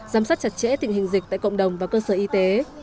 giám sát chặt chẽ tình hình dịch tại cộng đồng và cơ sở y tế